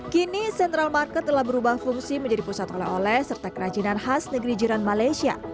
kini central market telah berubah fungsi menjadi pusat oleh oleh serta kerajinan khas negeri jiran malaysia